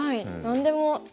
何でも。